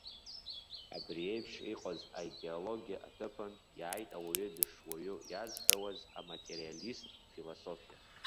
Абри еиԥш иҟаз аидеологиа аҭыԥан иааит ауаҩы дышуаҩу иазҳәауаз аматериалисттә философиа.